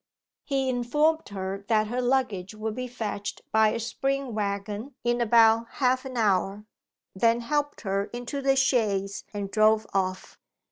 He informed her that her luggage would be fetched by a spring waggon in about half an hour; then helped her into the chaise and drove off.